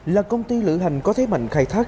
là công ty lữ hành có thế mạnh khai thác